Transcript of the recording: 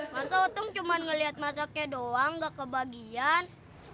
masa otong cuma ngeliat masaknya doang gak kebagian